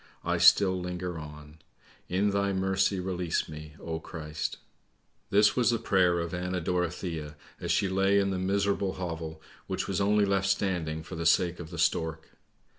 I still linger on. In Thy mercy release me, oh Christ! '" This was the prayer of Anna Dorothea, as she lay in the miserable hovel which was only left standing for the sake of the stork.